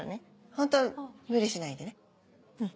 ホント無理しないでね。